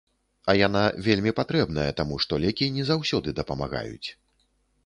А яна вельмі патрэбная, таму што лекі не заўсёды дапамагаюць.